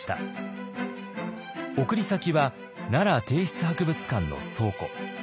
送り先は奈良帝室博物館の倉庫。